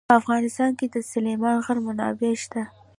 په افغانستان کې د سلیمان غر منابع شته.